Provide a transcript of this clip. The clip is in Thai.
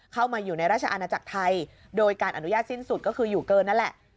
เข้ามาอยู่ในราชอาณาจักรไทยโดยการอนุญาตสิ้นสุดก็คืออยู่เกินนั่นแหละ